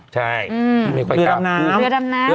ใช่เรียบน้ำ